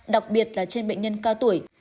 đặc biệt là trên bệnh nhân cao tuổi